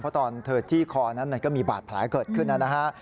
เพราะตอนเธอจี้คอนั้นมันก็มีบาดแผลเกิดขึ้นนะฮะ